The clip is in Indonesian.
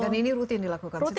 dan ini rutin dilakukan setiap hari